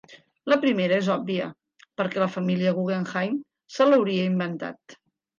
La primera és òbvia: perquè la família Guggenheim se l'hauria inventat.